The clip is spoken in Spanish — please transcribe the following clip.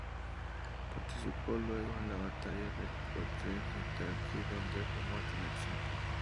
Participó luego en la Batalla del Portete de Tarqui donde fue muerto en acción.